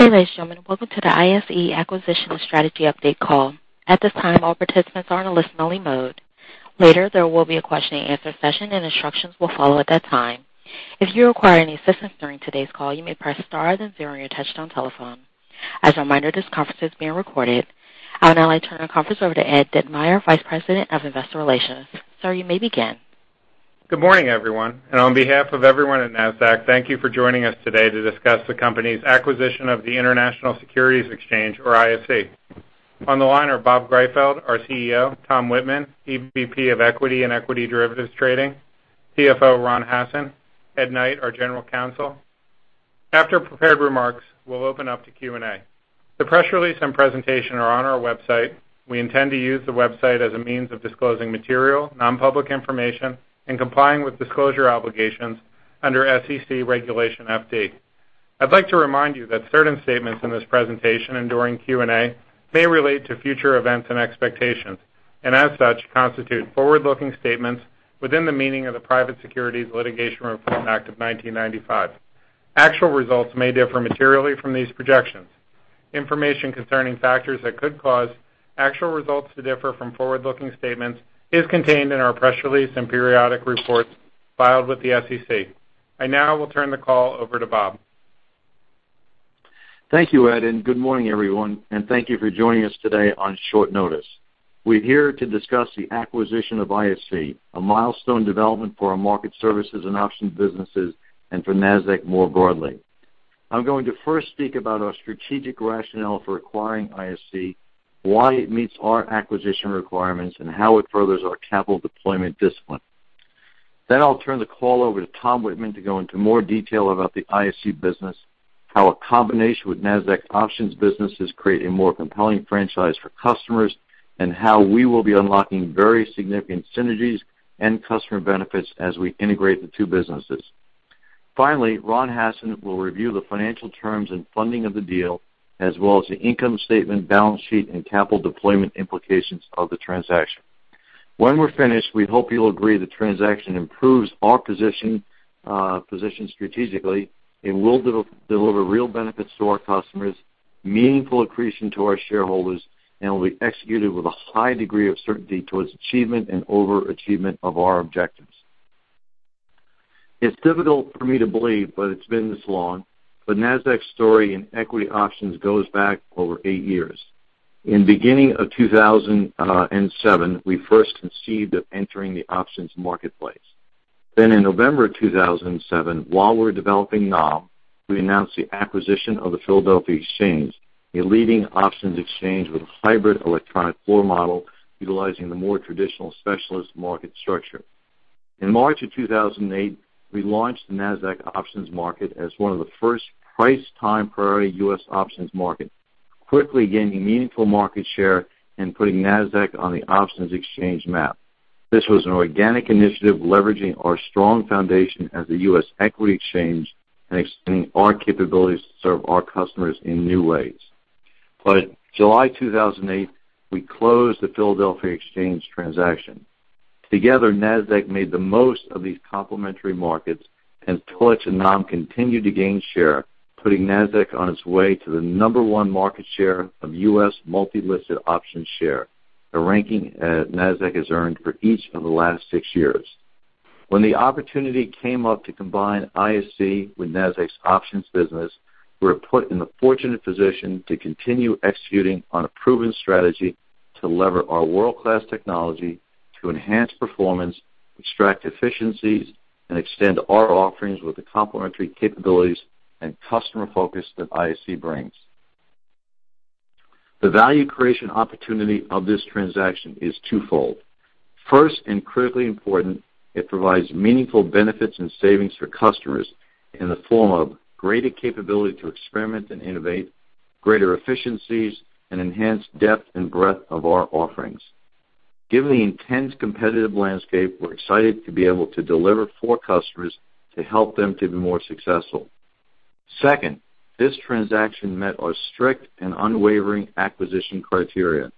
Good day, ladies and gentlemen. Welcome to the ISE Acquisition and Strategy Update Call. At this time, all participants are on a listen-only mode. Later, there will be a question and answer session, and instructions will follow at that time. If you require any assistance during today's call, you may press star then zero on your touch-tone telephone. As a reminder, this conference is being recorded. I would now like to turn the conference over to Ed Ditmire, Vice President of Investor Relations. Sir, you may begin. Good morning, everyone. On behalf of everyone at Nasdaq, thank you for joining us today to discuss the company's acquisition of the International Securities Exchange, or ISE. On the line are Bob Greifeld, our CEO, Tom Wittman, EVP of Equity and Equity Derivatives Trading, CFO Ron Hassen, Ed Knight, our general counsel. After prepared remarks, we'll open up to Q&A. The press release and presentation are on our website. We intend to use the website as a means of disclosing material, non-public information, and complying with disclosure obligations under SEC Regulation FD. I'd like to remind you that certain statements in this presentation and during Q&A may relate to future events and expectations, and as such, constitute forward-looking statements within the meaning of the Private Securities Litigation Reform Act of 1995. Actual results may differ materially from these projections. Information concerning factors that could cause actual results to differ from forward-looking statements is contained in our press release and periodic reports filed with the SEC. I now will turn the call over to Bob. Thank you, Ed. Good morning, everyone. Thank you for joining us today on short notice. We're here to discuss the acquisition of ISE, a milestone development for our market services and Options businesses, and for Nasdaq more broadly. I'm going to first speak about our strategic rationale for acquiring ISE, why it meets our acquisition requirements, and how it furthers our capital deployment discipline. I'll turn the call over to Tom Wittman to go into more detail about the ISE business, how a combination with Nasdaq Options businesses create a more compelling franchise for customers, and how we will be unlocking very significant synergies and customer benefits as we integrate the two businesses. Ron Hassen will review the financial terms and funding of the deal, as well as the income statement, balance sheet, and capital deployment implications of the transaction. When we're finished, we hope you'll agree the transaction improves our position strategically. It will deliver real benefits to our customers, meaningful accretion to our shareholders, and will be executed with a high degree of certainty towards achievement and overachievement of our objectives. It's difficult for me to believe, but it's been this long, Nasdaq's story in equity options goes back over eight years. In beginning of 2007, we first conceived of entering the options marketplace. In November 2007, while we were developing NOM, we announced the acquisition of the Philadelphia Stock Exchange, a leading options exchange with a hybrid electronic floor model utilizing the more traditional specialist market structure. In March of 2008, we launched the Nasdaq Options Market as one of the first price-time priority U.S. options market, quickly gaining meaningful market share and putting Nasdaq on the options exchange map. This was an organic initiative leveraging our strong foundation as a U.S. equity exchange and extending our capabilities to serve our customers in new ways. By July 2008, we closed the Philadelphia Stock Exchange transaction. Together, Nasdaq made the most of these complementary markets, and PHLX and NOM continued to gain share, putting Nasdaq on its way to the number one market share of U.S. multi-listed options share, a ranking Nasdaq has earned for each of the last six years. When the opportunity came up to combine ISE with Nasdaq's options business, we were put in the fortunate position to continue executing on a proven strategy to lever our world-class technology to enhance performance, extract efficiencies, and extend our offerings with the complementary capabilities and customer focus that ISE brings. The value creation opportunity of this transaction is twofold. First, critically important, it provides meaningful benefits and savings for customers in the form of greater capability to experiment and innovate, greater efficiencies, and enhanced depth and breadth of our offerings. Given the intense competitive landscape, we're excited to be able to deliver for customers to help them to be more successful. Second, this transaction met our strict and unwavering acquisition criteria.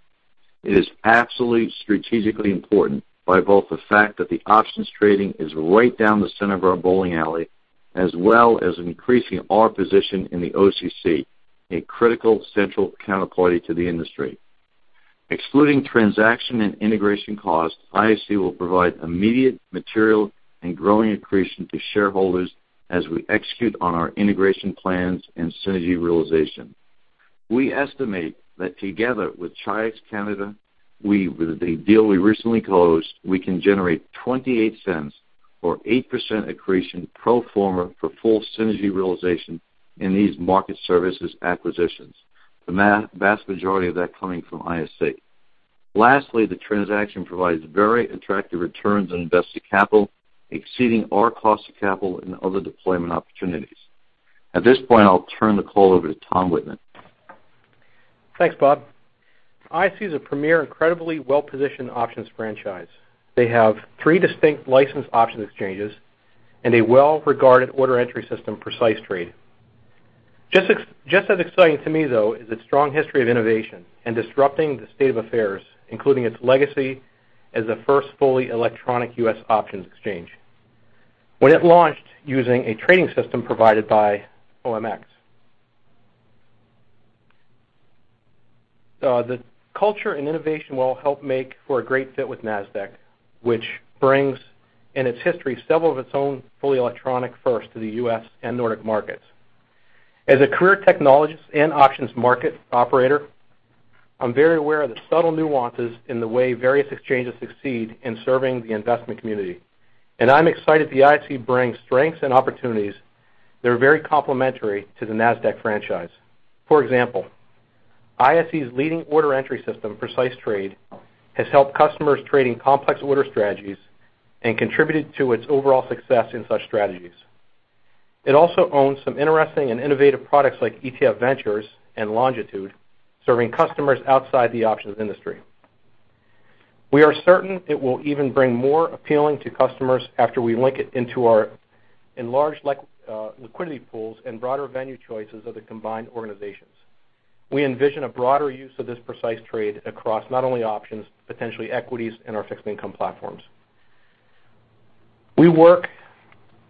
It is absolutely strategically important by both the fact that the options trading is right down the center of our bowling alley, as well as increasing our position in the OCC, a critical central counterparty to the industry. Excluding transaction and integration costs, ISE will provide immediate material and growing accretion to shareholders as we execute on our integration plans and synergy realization. We estimate that together with Chi-X Canada, the deal we recently closed, we can generate $0.28 or 8% accretion pro forma for full synergy realization in these market services acquisitions. The vast majority of that coming from ISE. Lastly, the transaction provides very attractive returns on invested capital, exceeding our cost of capital and other deployment opportunities. At this point, I'll turn the call over to Tom Wittman. Thanks, Bob. ISE is a premier, incredibly well-positioned options franchise. They have three distinct licensed options exchanges and a well-regarded order entry system, Nasdaq Precise. Just as exciting to me, though, is its strong history of innovation and disrupting the state of affairs, including its legacy as the first fully electronic U.S. options exchange. When it launched using a trading system provided by OMX. The culture and innovation will help make for a great fit with Nasdaq, which brings in its history several of its own fully electronic first to the U.S. and Nordic markets. As a career technologist and options market operator, I'm very aware of the subtle nuances in the way various exchanges succeed in serving the investment community, and I'm excited the ISE brings strengths and opportunities that are very complementary to the Nasdaq franchise. For example, ISE's leading order entry system, Nasdaq Precise, has helped customers trading complex order strategies and contributed to its overall success in such strategies. It also owns some interesting and innovative products like ETF Ventures and Longitude, serving customers outside the options industry. We are certain it will even bring more appealing to customers after we link it into our enlarged liquidity pools and broader venue choices of the combined organizations. We envision a broader use of this Nasdaq Precise across not only options, potentially equities and our fixed income platforms. We work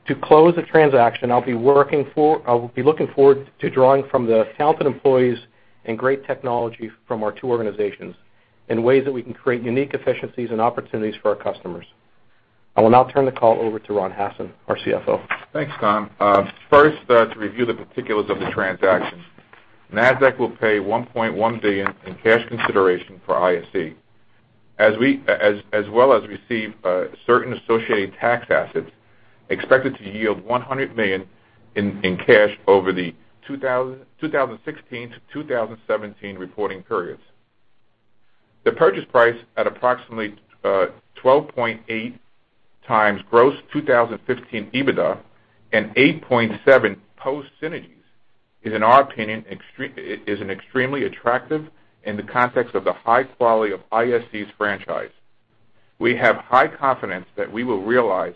to close the transaction. I'll be looking forward to drawing from the talented employees and great technology from our two organizations in ways that we can create unique efficiencies and opportunities for our customers. I will now turn the call over to Ron Hassen, our CFO. Thanks, Tom. First, to review the particulars of the transaction. Nasdaq will pay $1.1 billion in cash consideration for ISE. As well as receive certain associated tax assets expected to yield $100 million in cash over the 2016 to 2017 reporting periods. The purchase price at approximately 12.8 times gross 2015 EBITDA and 8.7 post synergies is, in our opinion, an extremely attractive in the context of the high quality of ISE's franchise. We have high confidence that we will realize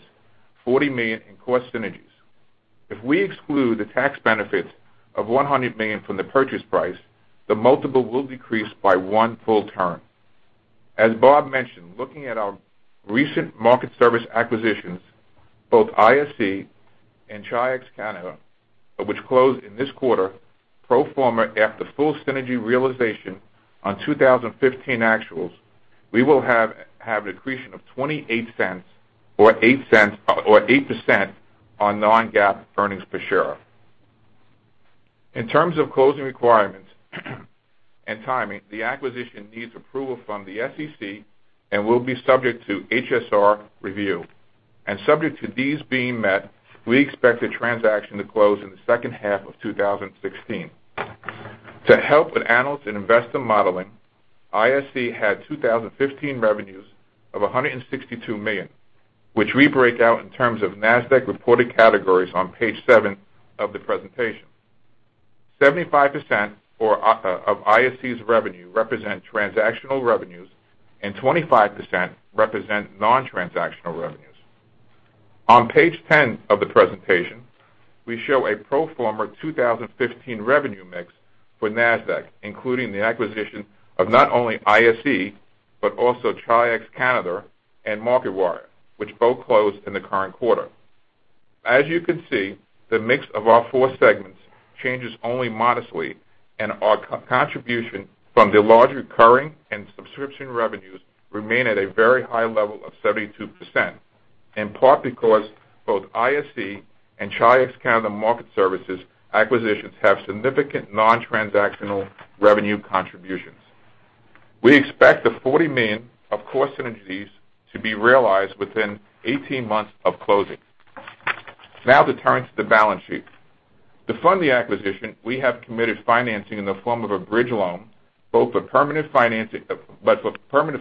$40 million in cost synergies. If we exclude the tax benefits of $100 million from the purchase price, the multiple will decrease by one full turn. As Bob mentioned, looking at our recent market service acquisitions, both ISE and Chi-X Canada, which closed in this quarter, pro forma after full synergy realization on 2015 actuals, we will have an accretion of $0.28 or 8% on non-GAAP earnings per share. In terms of closing requirements and timing, the acquisition needs approval from the SEC and will be subject to HSR review. Subject to these being met, we expect the transaction to close in the second half of 2016. To help with analyst and investor modeling, ISE had 2015 revenues of $162 million, which we break out in terms of Nasdaq reported categories on page seven of the presentation. 75% of ISE's revenue represent transactional revenues and 25% represent non-transactional revenues. On page 10 of the presentation, we show a pro forma 2015 revenue mix for Nasdaq, including the acquisition of not only ISE, but also Chi-X Canada and Marketwired, which both closed in the current quarter. As you can see, the mix of our four segments changes only modestly, and our contribution from the large recurring and subscription revenues remain at a very high level of 72%, in part because both ISE and Chi-X Canada Market Services acquisitions have significant non-transactional revenue contributions. We expect the $40 million of cost synergies to be realized within 18 months of closing. To turn to the balance sheet. For permanent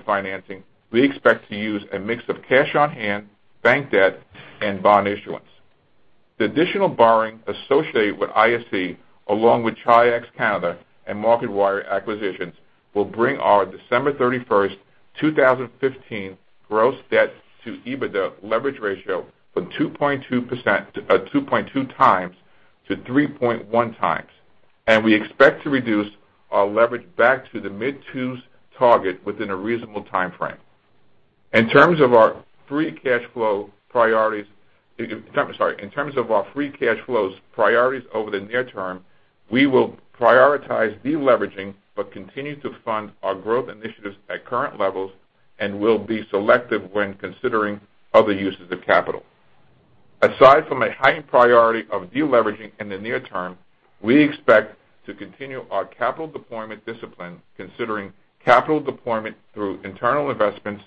financing, we expect to use a mix of cash on hand, bank debt and bond issuance. The additional borrowing associated with ISE, along with Chi-X Canada and Marketwired acquisitions, will bring our December 31, 2015 gross debt to EBITDA leverage ratio from 2.2 times to 3.1 times. We expect to reduce our leverage back to the mid-2s target within a reasonable timeframe. In terms of our free cash flows priorities over the near term, we will prioritize de-leveraging but continue to fund our growth initiatives at current levels and will be selective when considering other uses of capital. Aside from a heightened priority of de-leveraging in the near term, we expect to continue our capital deployment discipline considering capital deployment through internal investments,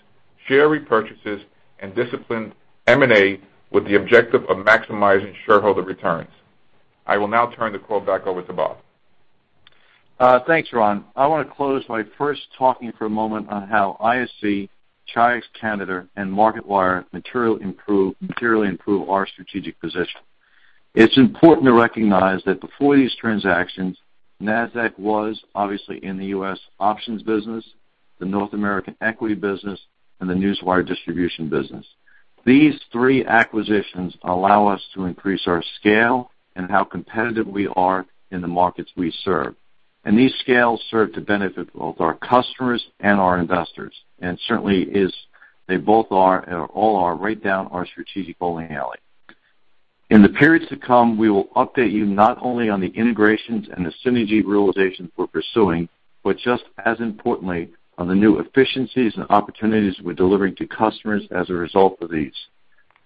share repurchases, and disciplined M&A with the objective of maximizing shareholder returns. I will now turn the call back over to Bob. Thanks, Ron. I want to close by first talking for a moment on how ISE, Chi-X Canada, and Marketwired materially improve our strategic position. It's important to recognize that before these transactions, Nasdaq was obviously in the U.S. options business, the North American equity business, and the newswire distribution business. These three acquisitions allow us to increase our scale and how competitive we are in the markets we serve. These scales serve to benefit both our customers and our investors, and certainly they both are, and all are right down our strategic bowling alley. In the periods to come, we will update you not only on the integrations and the synergy realizations we're pursuing, but just as importantly, on the new efficiencies and opportunities we're delivering to customers as a result of these.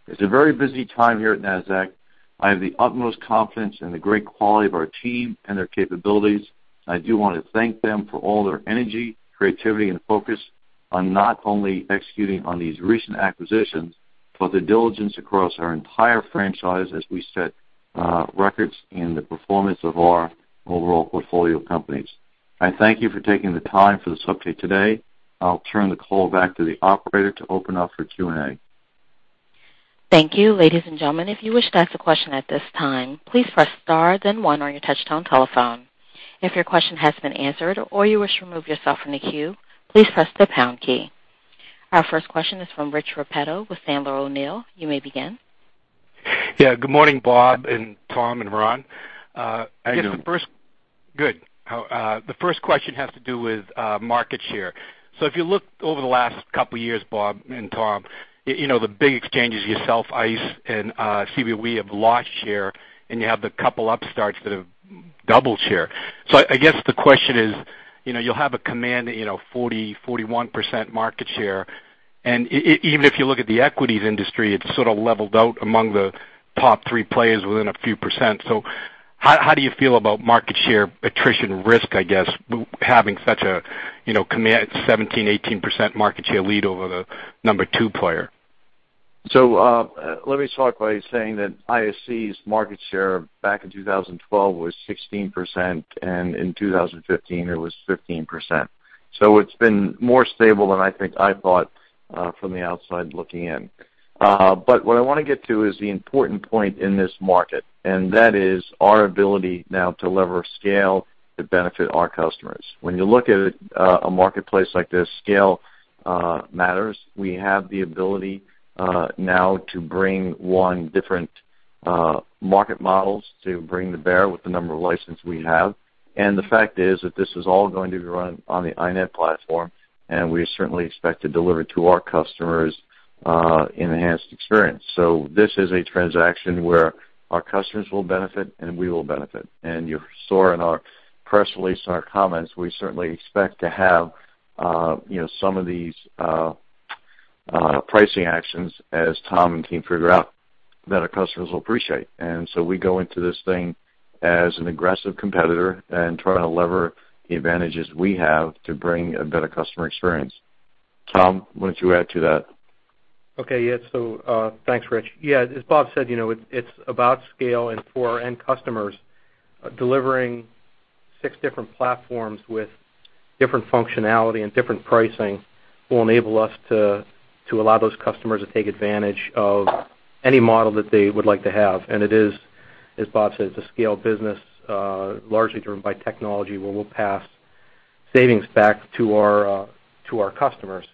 It's a very busy time here at Nasdaq. I have the utmost confidence in the great quality of our team and their capabilities. I do want to thank them for all their energy, creativity, and focus on not only executing on these recent acquisitions, but the diligence across our entire franchise as we set records in the performance of our overall portfolio companies. I thank you for taking the time for this update today. I'll turn the call back to the operator to open up for Q&A. Thank you. Ladies and gentlemen, if you wish to ask a question at this time, please press star then one on your touchtone telephone. If your question has been answered or you wish to remove yourself from the queue, please press the pound key. Our first question is from Rich Repetto with Sandler O'Neill. You may begin. Yeah. Good morning, Bob and Tom and Ron. Good morning. Good. If you look over the last couple of years, Bob and Tom, the big exchanges, yourself, ICE, and CBOE have lost share, and you have the couple upstarts that have doubled share. I guess the question is, you'll have a command, 40%, 41% market share, and even if you look at the equities industry, it's sort of leveled out among the top three players within a few percent. How do you feel about market share attrition risk, I guess, having such a command, 17%, 18% market share lead over the number two player? Let me start by saying that ISE's market share back in 2012 was 16%, and in 2015, it was 15%. It's been more stable than I think I thought, from the outside looking in. What I want to get to is the important point in this market, and that is our ability now to lever scale to benefit our customers. When you look at a marketplace like this, scale matters. We have the ability now to bring one different market models to bring to bear with the number of licenses we have. The fact is that this is all going to be run on the INET platform, and we certainly expect to deliver to our customers an enhanced experience. This is a transaction where our customers will benefit, and we will benefit. You saw in our press release and our comments, we certainly expect to have some of these pricing actions as Tom and team figure out that our customers will appreciate. We go into this thing as an aggressive competitor and try to lever the advantages we have to bring a better customer experience. Tom, why don't you add to that? Okay. Yeah. Thanks, Rich. Yeah, as Bob said, it's about scale and for our end customers, delivering six different platforms with different functionality and different pricing will enable us to allow those customers to take advantage of any model that they would like to have. It is, as Bob said, it's a scale business, largely driven by technology, where we'll pass savings back to our customers.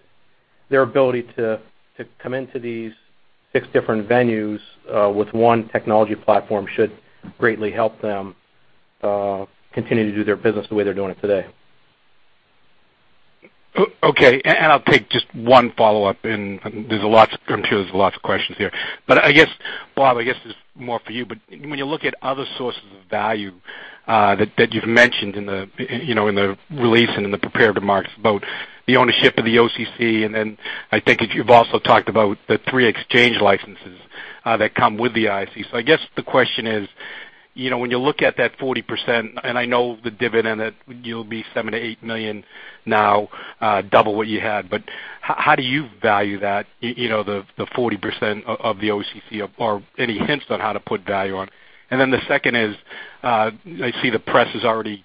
Their ability to come into these six different venues with one technology platform should greatly help them, continue to do their business the way they're doing it today. I'll take just one follow-up. I'm sure there's lots of questions here. I guess, Bob, I guess this is more for you, but when you look at other sources of value that you've mentioned in the release and in the prepared remarks about the ownership of the OCC, then I think you've also talked about the three exchange licenses that come with the ISE. I guess the question is, when you look at that 40%, I know the dividend that you'll be $7 million-$8 million now, double what you had, but how do you value that, the 40% of the OCC, or any hints on how to put value on? The second is, I see the press is already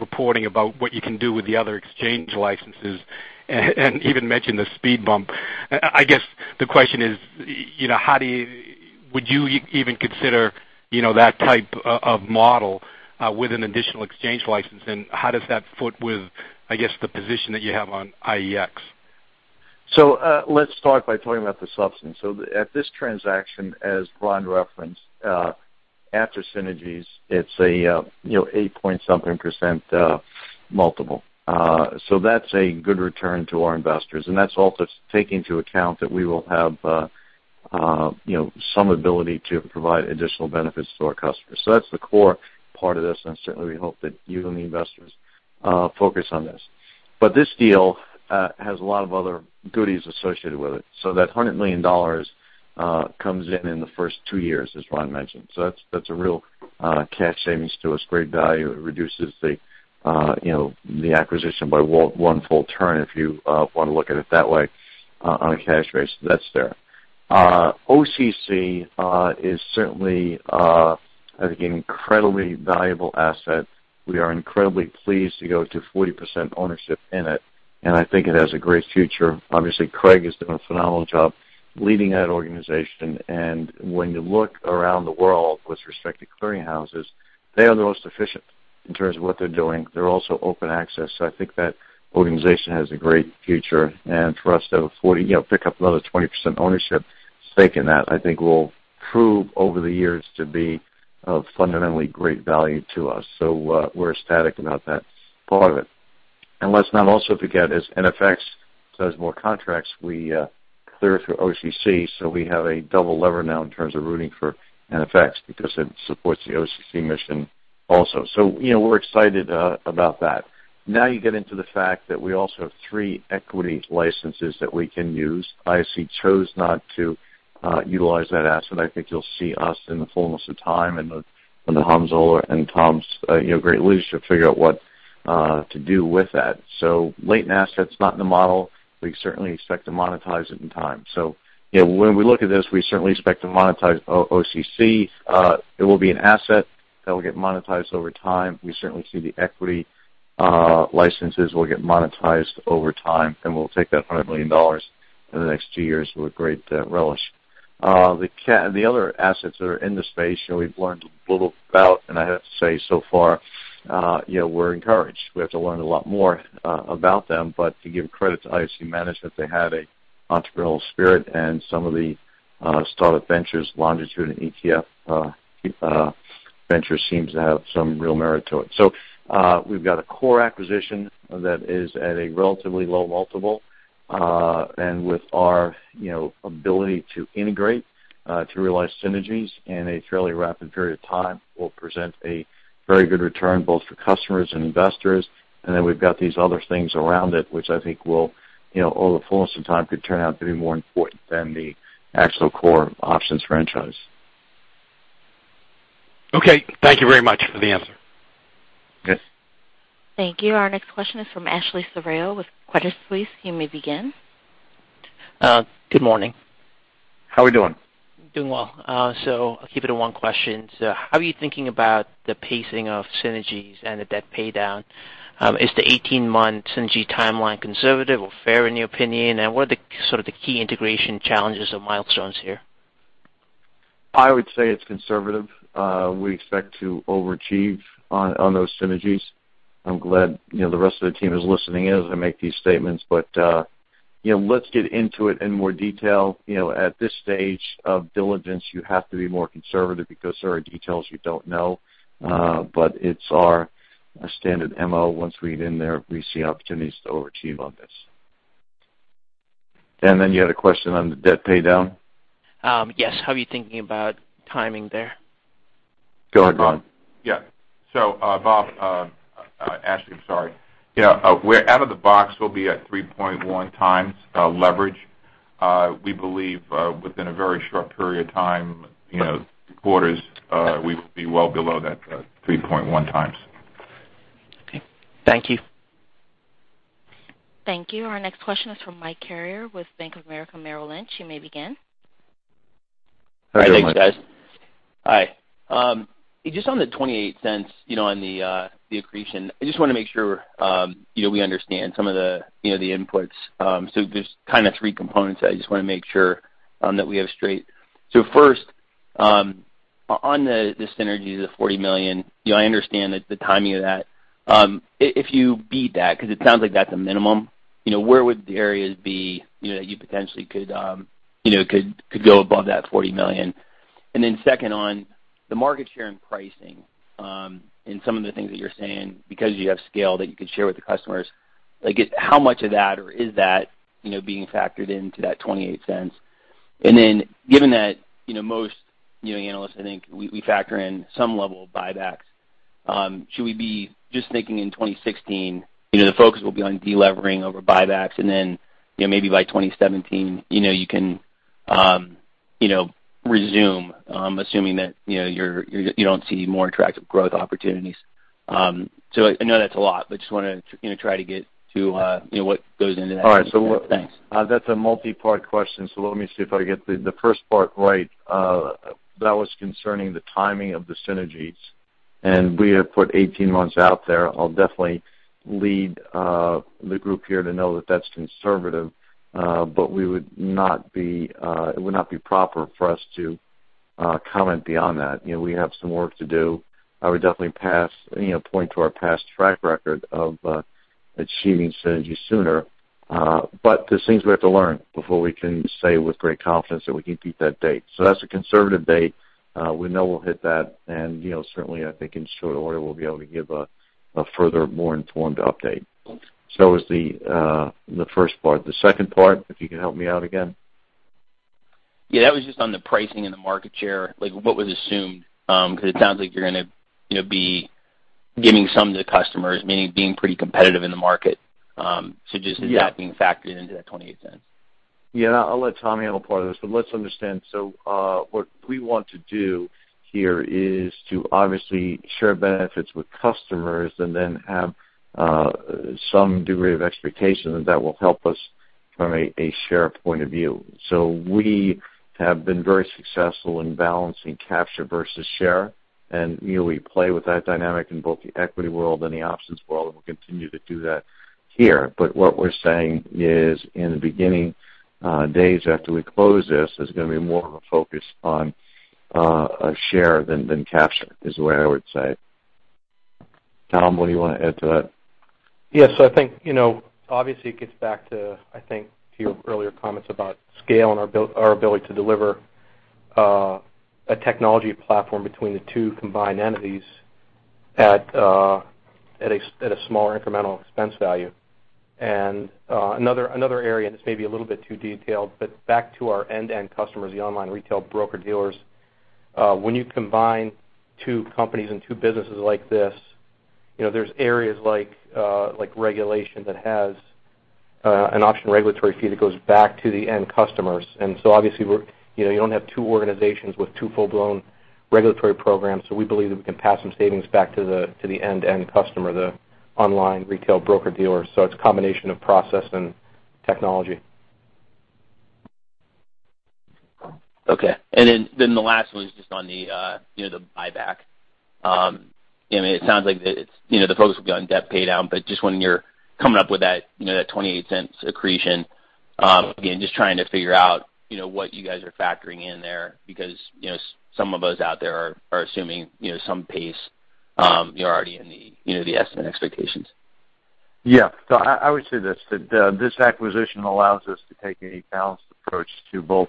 reporting about what you can do with the other exchange licenses, even mentioned the speed bump. I guess the question is, would you even consider that type of model, with an additional exchange license? How does that foot with, I guess, the position that you have on IEX? Let's start by talking about the substance. At this transaction, as Ron referenced, after synergies, it's an 8-point something percent multiple. That's a good return to our investors, that's also taking into account that we will have some ability to provide additional benefits to our customers. That's the core part of this, certainly we hope that you and the investors focus on this. This deal has a lot of other goodies associated with it. That $100 million comes in in the first two years, as Ron mentioned. That's a real cash savings to us, great value. It reduces the acquisition by one full turn, if you want to look at it that way, on a cash basis. That's there. OCC is certainly, I think, an incredibly valuable asset. We are incredibly pleased to go to 40% ownership in it, I think it has a great future. Obviously, Craig has done a phenomenal job leading that organization, when you look around the world with respect to clearing houses, they are the most efficient in terms of what they're doing. They're also open access, I think that organization has a great future. For us to pick up another 20% ownership stake in that, I think will prove over the years to be of fundamentally great value to us. We're ecstatic about that part of it. Let's not also forget, as NFX does more contracts, we clear through OCC, we have a double lever now in terms of rooting for NFX because it supports the OCC mission also. We're excited about that. You get into the fact that we also have three equity licenses that we can use. ISE chose not to utilize that asset. I think you'll see us in the fullness of time, under [Hamzah] and Tom's great leadership, figure out what to do with that. Latent asset's not in the model. We certainly expect to monetize it in time. When we look at this, we certainly expect to monetize OCC. It will be an asset that will get monetized over time. We certainly see the equity licenses will get monetized over time, and we'll take that $100 million in the next two years with great relish. The other assets that are in the space, we've learned a little about, and I have to say so far, we're encouraged. We have to learn a lot more about them. To give credit to ISE management, they have an entrepreneurial spirit and some of the startup ventures, Longitude and ETF Ventures seems to have some real merit to it. We've got a core acquisition that is at a relatively low multiple. With our ability to integrate, to realize synergies in a fairly rapid period of time, will present a very good return both for customers and investors. We've got these other things around it, which I think will, over the fullness of time, could turn out to be more important than the actual core options franchise. Thank you very much for the answer. Yes. Thank you. Our next question is from Ashley Serrao with Credit Suisse. You may begin. Good morning. How are we doing? Doing well. I'll keep it to one question. How are you thinking about the pacing of synergies and the debt paydown? Is the 18-month synergy timeline conservative or fair in your opinion? What are the key integration challenges or milestones here? I would say it's conservative. We expect to overachieve on those synergies. I'm glad the rest of the team is listening in as I make these statements. Let's get into it in more detail. At this stage of diligence, you have to be more conservative because there are details you don't know. It's our standard MO. Once we get in there, we see opportunities to overachieve on this. You had a question on the debt paydown? Yes. How are you thinking about timing there? Go ahead, Ron. Yeah. Bob-- Ashley, I'm sorry. Out of the box, we'll be at 3.1 times leverage. We believe, within a very short period of time, quarters, we will be well below that 3.1 times. Okay. Thank you. Thank you. Our next question is from Michael Carrier with Bank of America Merrill Lynch. You may begin. Hi there, Mike. Hi, thanks, guys. Hi. Just on the $0.28 on the accretion, I just want to make sure we understand some of the inputs. There's three components that I just want to make sure that we have straight. First, on the synergies of $40 million, I understand the timing of that. If you beat that, because it sounds like that's a minimum, where would the areas be, that you potentially could go above that $40 million? Second on the market share and pricing, and some of the things that you're saying, because you have scale that you could share with the customers, how much of that or is that being factored into that $0.28? Given that most analysts, I think, we factor in some level of buybacks. Should we be just thinking in 2016, the focus will be on delevering over buybacks, and then maybe by 2017, you can resume, assuming that you don't see more attractive growth opportunities. I know that's a lot, but just want to try to get to what goes into that. Thanks. All right. That's a multi-part question. Let me see if I get the first part right. That was concerning the timing of the synergies. We have put 18 months out there. I'll definitely lead the group here to know that that's conservative. It would not be proper for us to comment beyond that. We have some work to do. I would definitely point to our past track record of achieving synergies sooner. There's things we have to learn before we can say with great confidence that we can beat that date. That's a conservative date. We know we'll hit that. Certainly, I think in short order, we'll be able to give a further, more informed update. Thanks. As the first part. The second part, if you can help me out again. Yeah, that was just on the pricing and the market share, like what was assumed. It sounds like you're going to be giving some to the customers, meaning being pretty competitive in the market. Just. Yeah Is that being factored into that $0.28? Yeah, I'll let Tommy handle part of this, but let's understand. What we want to do here is to obviously share benefits with customers and then have some degree of expectation that will help us from a share point of view. We have been very successful in balancing capture versus share, and we play with that dynamic in both the equity world and the options world, and we'll continue to do that here. What we're saying is in the beginning days after we close this, there's going to be more of a focus on share than capture, is the way I would say. Tom, what do you want to add to that? Yes. I think, obviously it gets back to, I think, to your earlier comments about scale and our ability to deliver a technology platform between the two combined entities at a smaller incremental expense value. Another area, and this may be a little bit too detailed, but back to our end-to-end customers, the online retail broker-dealers. When you combine two companies and two businesses like this, there's areas like regulation that has an option regulatory fee that goes back to the end customers. Obviously, you don't have two organizations with two full-blown regulatory programs. We believe that we can pass some savings back to the end-to-end customer, the online retail broker-dealer. It's a combination of process and technology. Okay. The last one is just on the buyback. It sounds like the focus will be on debt paydown, but just when you're coming up with that $0.28 accretion, again, just trying to figure out what you guys are factoring in there because, some of us out there are assuming some pace already in the estimate expectations. I would say this, that this acquisition allows us to take a balanced approach to both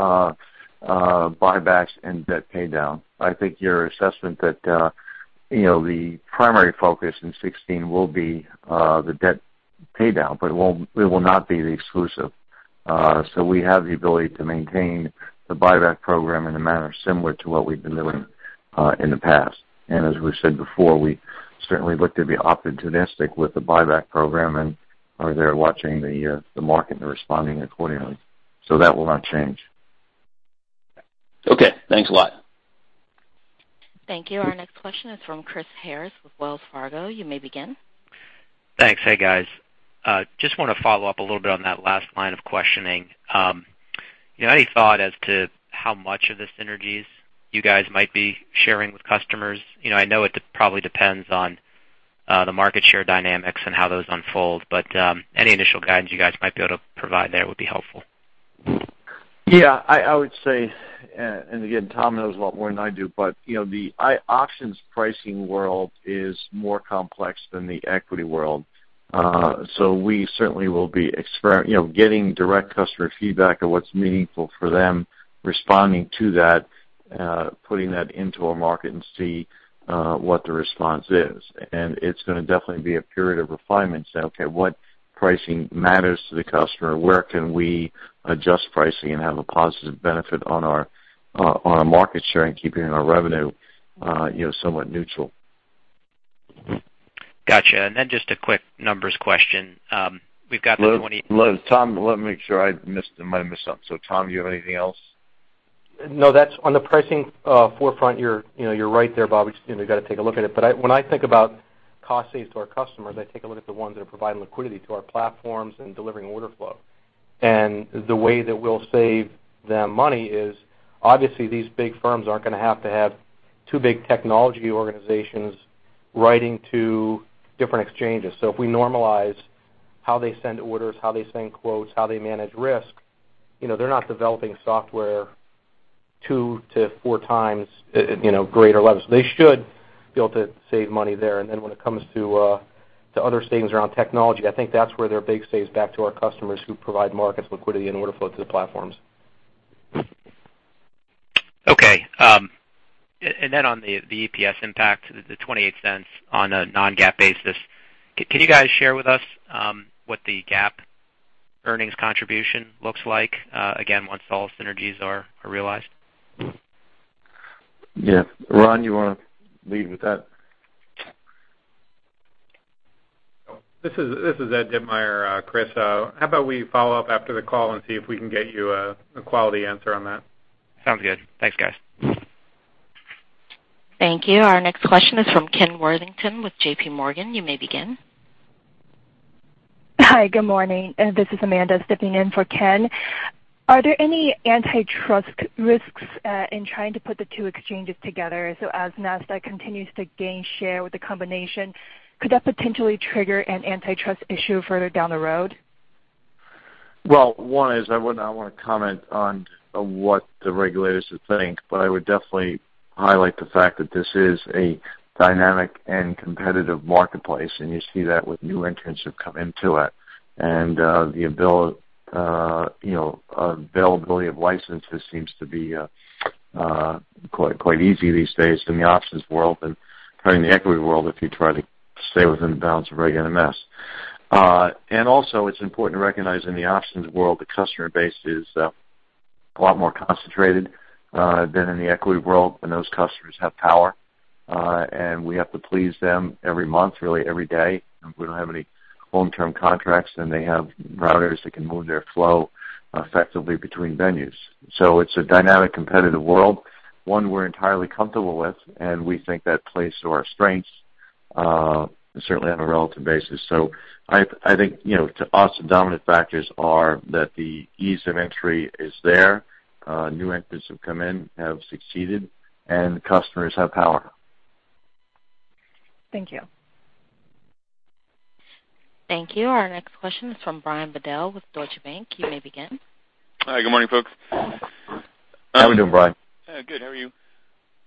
buybacks and debt paydown. I think your assessment that the primary focus in 2016 will be the debt paydown, it will not be the exclusive. We have the ability to maintain the buyback program in a manner similar to what we've been doing in the past. As we've said before, we certainly look to be opportunistic with the buyback program and are there watching the market and responding accordingly. That will not change. Okay, thanks a lot. Thank you. Our next question is from Chris Harris with Wells Fargo. You may begin. Thanks. Hey, guys. I just want to follow up a little bit on that last line of questioning. Any thought as to how much of the synergies you guys might be sharing with customers? I know it probably depends on the market share dynamics and how those unfold, any initial guidance you guys might be able to provide there would be helpful. I would say, and again, Tom knows a lot more than I do, but the options pricing world is more complex than the equity world. We certainly will be getting direct customer feedback on what's meaningful for them, responding to that, putting that into our market and see what the response is. It's going to definitely be a period of refinement to say, "Okay, what pricing matters to the customer? Where can we adjust pricing and have a positive benefit on our market share and keeping our revenue somewhat neutral? Got you. Just a quick numbers question. Tom, let me make sure I might have missed something. Tom, you have anything else? No. On the pricing forefront, you're right there, Bob. We just got to take a look at it. When I think about cost saves to our customers, I take a look at the ones that are providing liquidity to our platforms and delivering order flow. The way that we'll save them money is, obviously, these big firms aren't going to have to have two big technology organizations writing to different exchanges. If we normalize how they send orders, how they send quotes, how they manage risk, they're not developing software two to four times greater levels. They should be able to save money there. When it comes to other savings around technology, I think that's where there are big saves back to our customers who provide markets liquidity and order flow to the platforms. Okay. Then on the EPS impact, the $0.28 on a non-GAAP basis, can you guys share with us what the GAAP earnings contribution looks like, again, once all synergies are realized? Yeah. Ron, you want to lead with that? This is Ed Ditmire, Chris. How about we follow up after the call and see if we can get you a quality answer on that? Sounds good. Thanks, guys. Thank you. Our next question is from Ken Worthington with JPMorgan. You may begin. Hi, good morning. This is Amanda stepping in for Ken. Are there any antitrust risks in trying to put the two exchanges together? As Nasdaq continues to gain share with the combination, could that potentially trigger an antitrust issue further down the road? Well, one is, I would not want to comment on what the regulators would think, but I would definitely highlight the fact that this is a dynamic and competitive marketplace, and you see that with new entrants who've come into it. The availability of licenses seems to be quite easy these days in the options world than cutting the equity world if you try to stay within the bounds of Regulation NMS. It's important to recognize in the options world, the customer base is a lot more concentrated than in the equity world, and those customers have power. We have to please them every month, really every day. We don't have any long-term contracts, and they have routers that can move their flow effectively between venues. It's a dynamic, competitive world, one we're entirely comfortable with, and we think that plays to our strengths, certainly on a relative basis. I think, to us, the dominant factors are that the ease of entry is there. New entrants who have come in have succeeded, and customers have power. Thank you. Thank you. Our next question is from Brian Bedell with Deutsche Bank. You may begin. Hi, good morning, folks. How we doing, Brian? Good. How are you?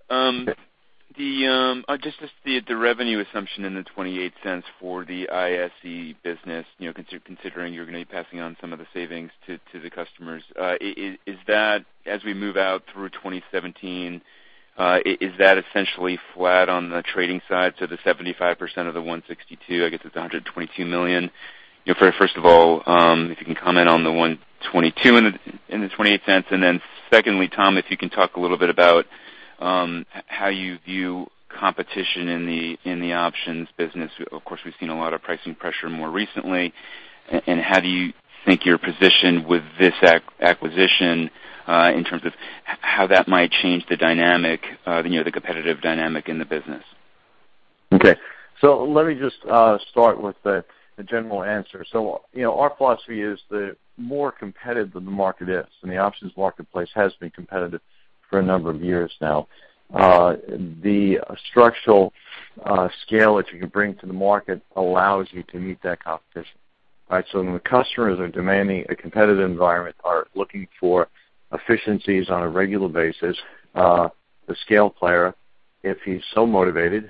Good. Just the revenue assumption in the $0.28 for the ISE business, considering you're going to be passing on some of the savings to the customers. As we move out through 2017, is that essentially flat on the trading side? The 75% of the 162, I guess it's $122 million. First of all, if you can comment on the $122 in the $0.28, then secondly, Tom, if you can talk a little bit about how you view competition in the options business. Of course, we've seen a lot of pricing pressure more recently. How do you think your position with this acquisition, in terms of how that might change the competitive dynamic in the business? Okay. Let me just start with the general answer. Our philosophy is the more competitive the market is, the options marketplace has been competitive for a number of years now. The structural scale that you can bring to the market allows you to meet that competition. When the customers are demanding a competitive environment, are looking for efficiencies on a regular basis, the scale player, if he's so motivated,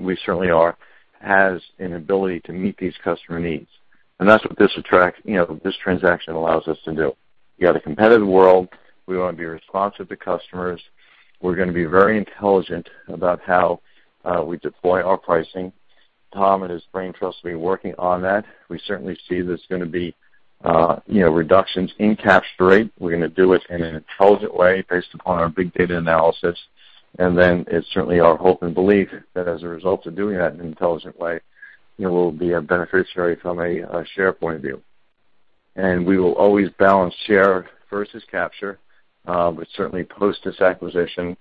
we certainly are, has an ability to meet these customer needs. That's what this transaction allows us to do. You got a competitive world. We want to be responsive to customers. We're going to be very intelligent about how we deploy our pricing. Tom and his brain trust will be working on that. We certainly see there's going to be reductions in capture rate. We're going to do it in an intelligent way based upon our big data analysis, then it's certainly our hope and belief that as a result of doing that in an intelligent way, we'll be a beneficiary from a share point of view. We will always balance share versus capture. Certainly post this acquisition,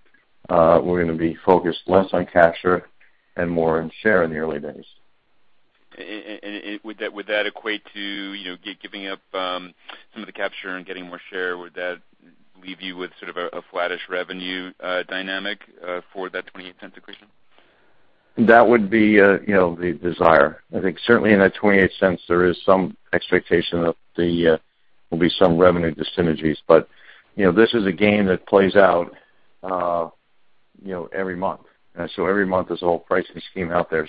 we're going to be focused less on capture and more on share in the early days. Would that equate to giving up some of the capture and getting more share? Would that leave you with sort of a flattish revenue dynamic for that $0.28 equation? That would be the desire. I think certainly in that $0.28, there is some expectation that there will be some revenue dis-synergies. This is a game that plays out every month. Every month there's a whole pricing scheme out there.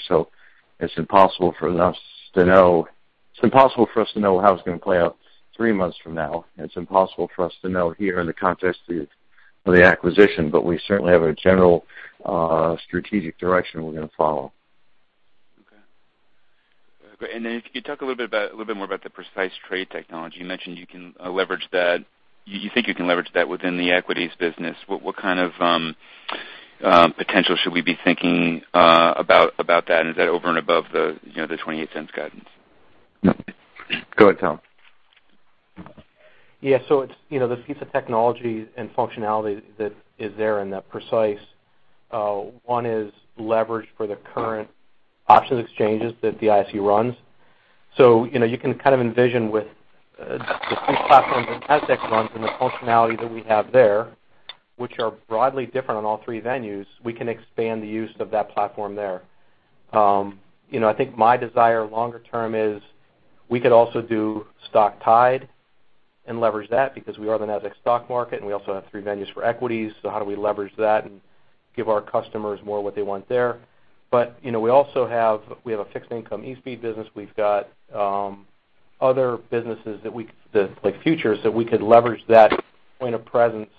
It's impossible for us to know how it's going to play out three months from now. It's impossible for us to know here in the context of the acquisition, but we certainly have a general strategic direction we're going to follow. Okay. Then can you talk a little bit more about the Precise trade technology? You mentioned you think you can leverage that within the equities business. What kind of potential should we be thinking about that? Is that over and above the $0.28 guidance? Go ahead, Tom. The piece of technology and functionality that is there in that Precise, one, is leverage for the current options exchanges that the ISE runs. You can kind of envision with the three platforms that Nasdaq runs and the functionality that we have there, which are broadly different on all three venues, we can expand the use of that platform there. I think my desire longer term is we could also do [stock tied] and leverage that because we are the Nasdaq Stock Market, and we also have three venues for equities. How do we leverage that and give our customers more what they want there? We have a fixed income eSpeed business. We've got other businesses like futures that we could leverage that point of presence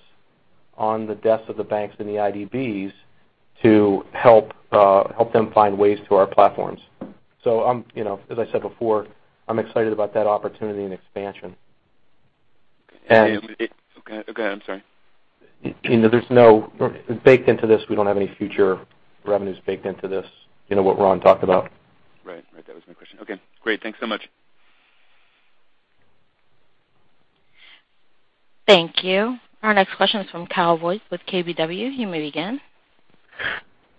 on the desks of the banks and the IDBs to help them find ways to our platforms. As I said before, I'm excited about that opportunity and expansion. Okay. I'm sorry. Baked into this, we don't have any future revenues baked into this, what Ron talked about. Right. That was my question. Okay, great. Thanks so much. Thank you. Our next question is from Kyle Voigt with KBW. You may begin.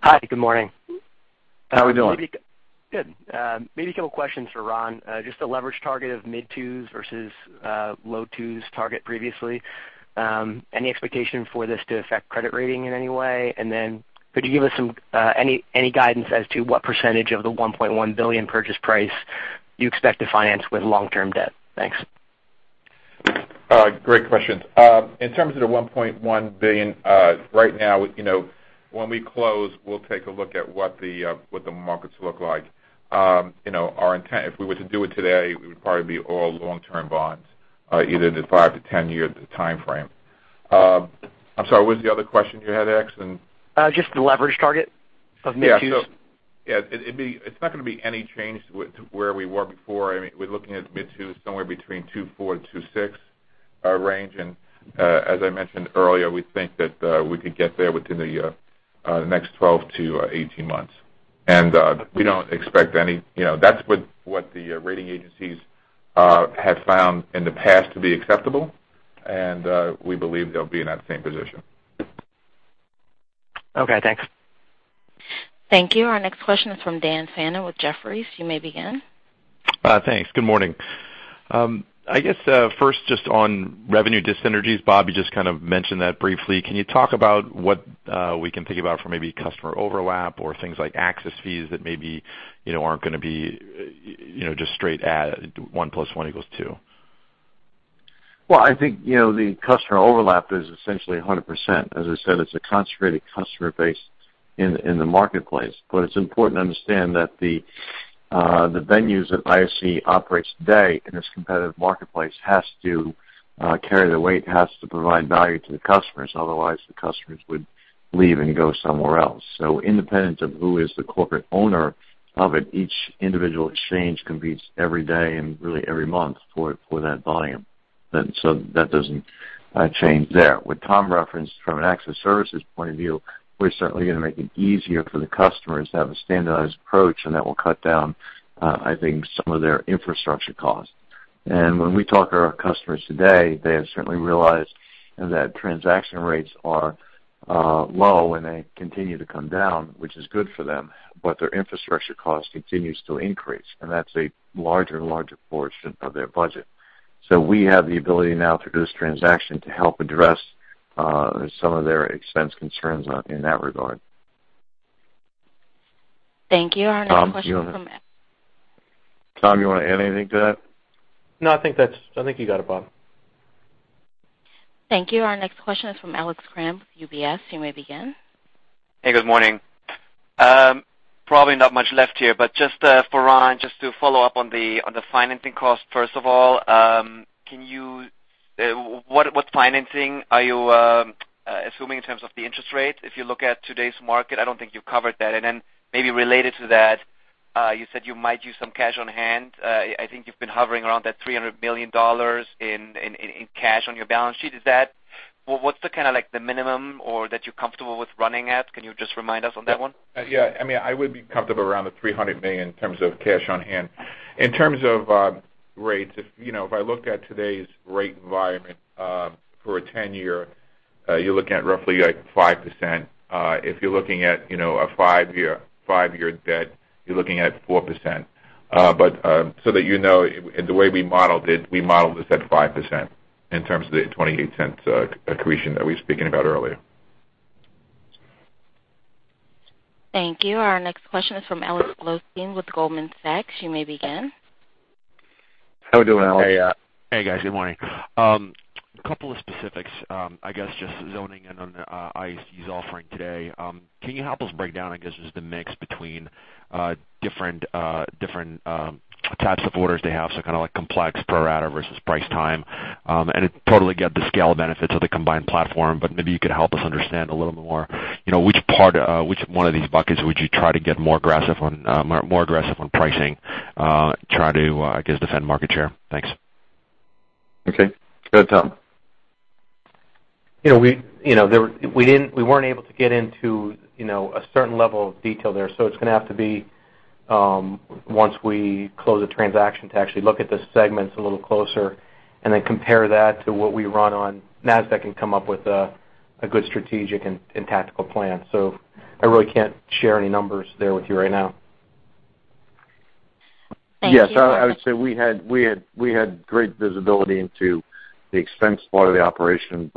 Hi. Good morning. How are we doing? Good. Maybe a couple questions for Ron. Just the leverage target of mid-twos versus low twos target previously. Any expectation for this to affect credit rating in any way? Could you give us any guidance as to what percentage of the $1.1 billion purchase price you expect to finance with long-term debt? Thanks. Great questions. In terms of the $1.1 billion, right now, when we close, we'll take a look at what the markets look like. If we were to do it today, it would probably be all long-term bonds, either in the five to 10-year timeframe. I'm sorry, what was the other question you had, Kyle? Just the leverage target of mid-twos. Yeah. It's not going to be any change to where we were before. We're looking at mid-twos, somewhere between 2.4 to 2.6 range. As I mentioned earlier, we think that we could get there within the next 12 to 18 months. That's what the rating agencies have found in the past to be acceptable, and we believe they'll be in that same position. Okay, thanks. Thank you. Our next question is from Daniel Fannon with Jefferies. You may begin. Thanks. Good morning. I guess, first, just on revenue dis-synergies, Bob, you just kind of mentioned that briefly. Can you talk about what we can think about for maybe customer overlap or things like access fees that maybe aren't going to be just straight add one plus one equals two? Well, I think, the customer overlap is essentially 100%. As I said, it's a concentrated customer base in the marketplace, but it's important to understand that the venues that ISE operates today in this competitive marketplace has to carry the weight, has to provide value to the customers, otherwise the customers would leave and go somewhere else. Independent of who is the corporate owner of it, each individual exchange competes every day and really every month for that volume. That doesn't change there. What Tom referenced from an access services point of view, we're certainly going to make it easier for the customers to have a standardized approach, and that will cut down, I think, some of their infrastructure costs. When we talk to our customers today, they have certainly realized that transaction rates are low, and they continue to come down, which is good for them, their infrastructure cost continues to increase, and that's a larger and larger portion of their budget. We have the ability now through this transaction to help address some of their expense concerns in that regard. Thank you. Our next question is from- Tom, do you want to add anything to that? No, I think you got it, Bob. Thank you. Our next question is from Alex Kramm with UBS. You may begin. Hey, good morning. Probably not much left here, just for Ron, just to follow up on the financing cost, first of all, what financing are you assuming in terms of the interest rate? If you look at today's market, I don't think you've covered that. Then maybe related to that, you said you might use some cash on hand. I think you've been hovering around that $300 million in cash on your balance sheet. What's the kind of minimum that you're comfortable with running at? Can you just remind us on that one? Yeah. I would be comfortable around the $300 million in terms of cash on hand. In terms of rates, if I look at today's rate environment, for a 10-year, you're looking at roughly 5%. If you're looking at a five-year debt, you're looking at 4%. So that you know, the way we modeled it, we modeled this at 5% in terms of the $0.28 accretion that we were speaking about earlier. Thank you. Our next question is from Alexander Blostein with Goldman Sachs. You may begin. How we doing, Alex? Hey, guys. Good morning. A couple of specifics, I guess, just zoning in on ISE's offering today. Can you help us break down, I guess, just the mix between different types of orders they have, so kind of like complex pro rata versus price-time. I totally get the scale benefits of the combined platform, but maybe you could help us understand a little bit more, which one of these buckets would you try to get more aggressive on pricing, try to, I guess, defend market share? Thanks. Okay. Go ahead, Tom. We weren't able to get into a certain level of detail there. It's going to have to be once we close the transaction to actually look at the segments a little closer and then compare that to what we run on Nasdaq and come up with a good strategic and tactical plan. I really can't share any numbers there with you right now. Thank you. Yes. I would say we had great visibility into the expense part of the operation,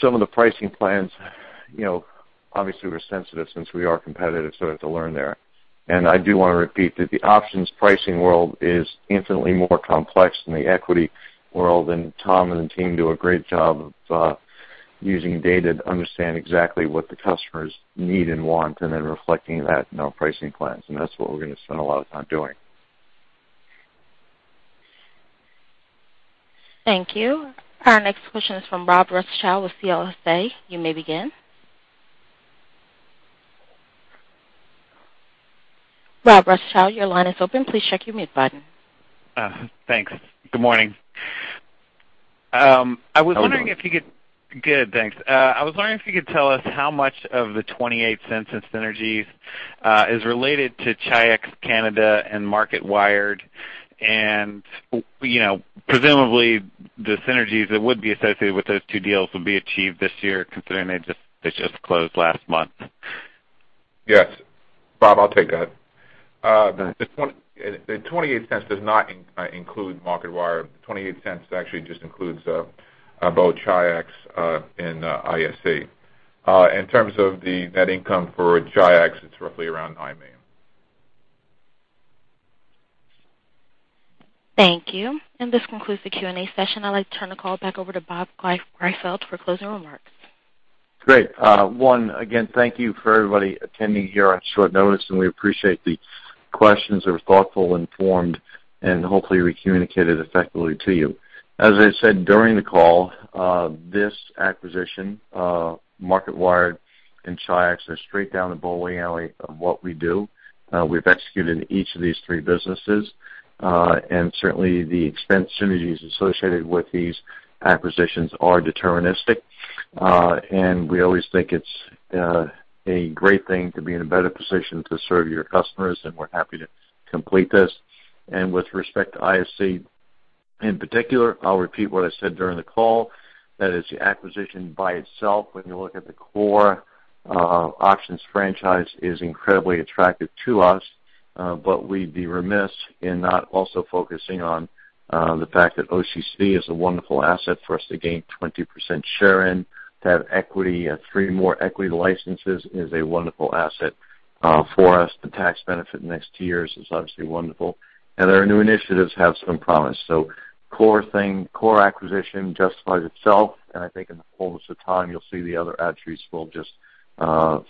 some of the pricing plans obviously were sensitive since we are competitive, so we have to learn there. I do want to repeat that the options pricing world is infinitely more complex than the equity world, Tom and the team do a great job of using data to understand exactly what the customers need and want, then reflecting that in our pricing plans. That's what we're going to spend a lot of time doing. Thank you. Our next question is from Rob Rothschild with CLSA. You may begin. Rob Rutschow, your line is open. Please check your mute button. Thanks. Good morning. How we doing? Good, thanks. I was wondering if you could tell us how much of the $0.28 in synergies is related to Chi-X Canada and Marketwired, and presumably, the synergies that would be associated with those two deals would be achieved this year, considering they just closed last month. Yes. Rob, I'll take that. The $0.28 does not include Marketwired. The $0.28 actually just includes both Chi-X and ISE. In terms of the net income for Chi-X, it's roughly around $9 million. Thank you. This concludes the Q&A session. I'd like to turn the call back over to Bob Greifeld for closing remarks. Great. One, again, thank you for everybody attending here on short notice, we appreciate the questions that were thoughtful, informed, and hopefully we communicated effectively to you. As I said during the call, this acquisition, Marketwired and Chi-X, are straight down the bowling alley of what we do. We've executed each of these three businesses, certainly the expense synergies associated with these acquisitions are deterministic. We always think it's a great thing to be in a better position to serve your customers, and we're happy to complete this. With respect to ISE in particular, I'll repeat what I said during the call, that is the acquisition by itself, when you look at the core options franchise, is incredibly attractive to us. But we'd be remiss in not also focusing on the fact that OCC is a wonderful asset for us to gain 20% share in. To have equity at three more equity licenses is a wonderful asset for us. The tax benefit in the next two years is obviously wonderful. Our new initiatives have some promise. Core acquisition justifies itself, and I think in the fullness of time, you'll see the other attributes will just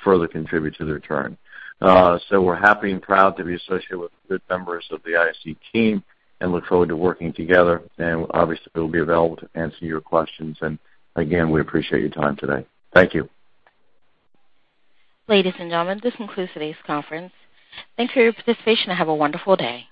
further contribute to the return. We're happy and proud to be associated with the good members of the ISE team and look forward to working together. Obviously, we'll be available to answer your questions. Again, we appreciate your time today. Thank you. Ladies and gentlemen, this concludes today's conference. Thanks for your participation and have a wonderful day.